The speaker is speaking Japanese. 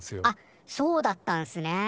あっそうだったんすね。